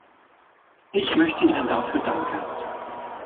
Ich möchte Ihnen dafür danken.